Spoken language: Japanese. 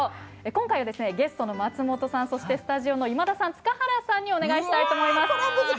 今回は、ゲストの松本さんスタジオの今田さん塚原さんにお願いしたいと思います。